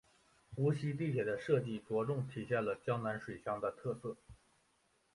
无锡地铁的设计着重体现了江南水乡的特色。